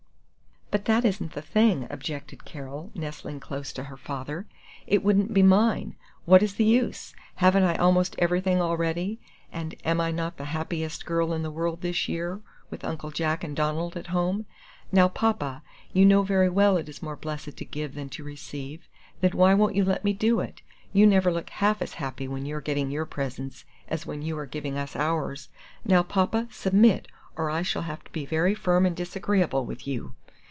"But that isn't the thing," objected Carol, nestling close to her father; "it wouldn't be mine. What is the use? Haven't I almost everything already, and am I not the happiest girl in the world this year, with Uncle Jack and Donald at home? Now, Papa, you know very well it is more blessed to give than to receive; then why won't you let me do it? You never look half as happy when you are getting your presents as when you are giving us ours. Now, Papa, submit, or I shall have to be very firm and disagreeable with you!"